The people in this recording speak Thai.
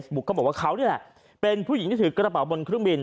เขาบอกว่าเขานี่แหละเป็นผู้หญิงที่ถือกระเป๋าบนเครื่องบิน